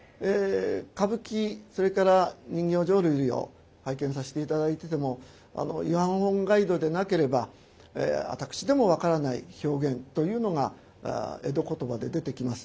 歌舞伎それから人形浄瑠璃を拝見させて頂いててもイヤホンガイドでなければ私でも分からない表現というのが江戸言葉で出てきます。